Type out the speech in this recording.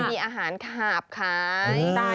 มีอาหารขาบขาย